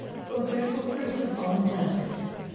O dreadful fruit of fallen dusk!